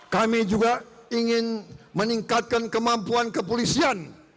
kami juga ingin meningkatkan kemampuan kepolisian